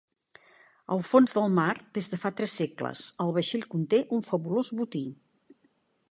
Al fons del mar des de fa tres segles, el vaixell conté un fabulós botí.